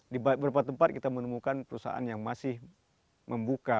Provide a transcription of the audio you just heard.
di beberapa tempat kita menemukan perusahaan yang masih membuka